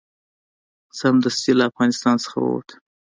سمدستي له افغانستان څخه ووت.